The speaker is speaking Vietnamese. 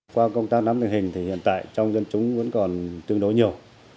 qua công tác nắm tình hình thì hiện tại trong dân chúng vẫn còn tương đối nhiều